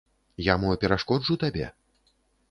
Я мо перашкоджу табе?